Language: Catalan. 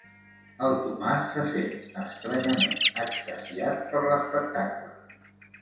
El Tomàs se sent estranyament extasiat per l'espectacle.